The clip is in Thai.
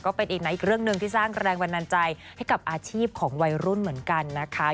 ก็เป็นอีกนิดหน่อยอีกเรื่องที่สร้างแรงบันดาลใจให้กับอาชีพของวัยรุ่นน่ะ